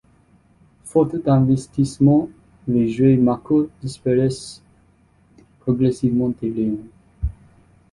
Faute d'investissement, les jouets Mako disparaissent progressivement des rayons.